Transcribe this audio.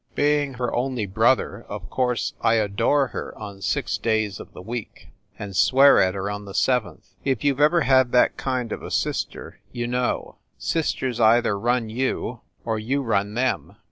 Being her only brother, of course I adore her FIND THE WOMAN on six days of the week, and swear at her on the seventh. If you ve ever had that kind of a sister you know. Sisters either run you, or you run them.